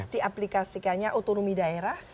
di aplikasikannya otonomi daerah